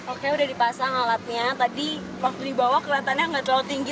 oke udah dipasang alatnya tadi waktu dibawa kelihatannya nggak terlalu tinggi